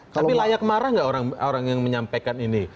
tapi layak marah nggak orang yang menyampaikan ini